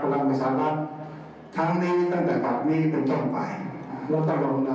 ตำแหน่งหัวหน้าภักดิ์ประวังประชาลรัฐมีความประชงขอล่าออกจากตำแหน่งหัวหน้าภักดิ์ประวังประชาลรัฐ